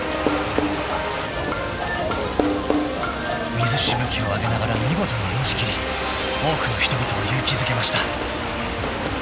［水しぶきを上げながら見事に演じきり多くの人々を勇気づけました］